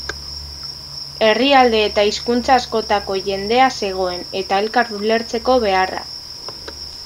Herrialde eta hizkuntza askotako jendea zegoen eta elkar ulertzeko beharra.